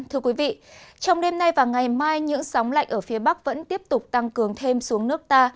thưa quý vị trong đêm nay và ngày mai những sóng lạnh ở phía bắc vẫn tiếp tục tăng cường thêm xuống nước ta